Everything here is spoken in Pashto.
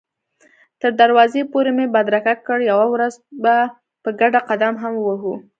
تر دروازې پورې مې بدرګه کړ، یوه ورځ به په ګډه قدم هم ووهو.